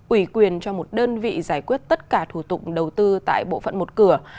ủy quyền cho một đơn vị giải quyết tất cả thủ tục đầu tư tại bộ phận một cửa